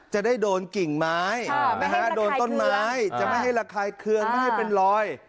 จะได้โดนกิ่งไม้โดนต้นไม้จะไม่ให้ระคายเคืองไม่ให้เป็นรอย